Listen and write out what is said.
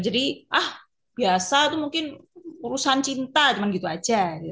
jadi ah biasa tuh mungkin urusan cinta cuman gitu aja